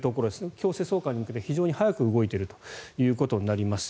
強制送還に向けて非常に早く動いていることになります。